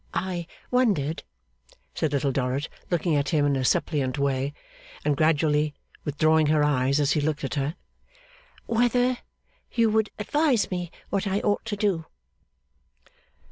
I wondered,' said Little Dorrit, looking at him in a suppliant way, and gradually withdrawing her eyes as he looked at her, 'whether you would advise me what I ought to do.